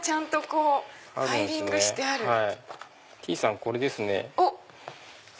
これですね。